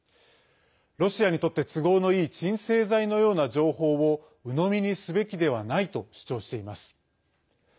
ロシアにとって都合のいい鎮静剤のような情報をうのみにすべきではないと主張しています。